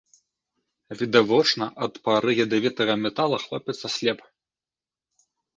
Відавочна, ад пары ядавітага метала хлопец аслеп.